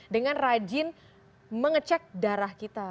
dengan rajin mengecek darah kita